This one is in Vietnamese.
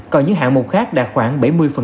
còn những hạng mục khác đạt khoảng bảy mươi